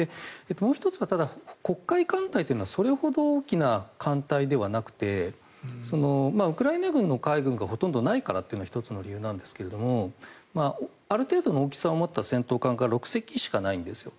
もう１つはただ黒海艦隊というのはそれほど大きな艦隊ではなくてウクライナ軍の海軍がほとんどないからというのが１つの理由ですがある程度の大きさを持った戦闘艦が６隻しかないんですよ。